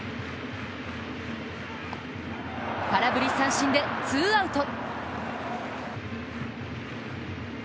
空振り三振でツーアウト。